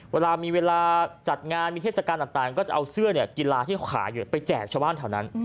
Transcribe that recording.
เวลามีเวลาจัดงานมีเทศกาลต่างก็จะเอาเสื้อกีฬาที่เขาขายอยู่ไปแจกชาวบ้านแถวนั้น